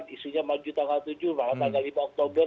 isinya maju tanggal tujuh malam tanggal lima oktober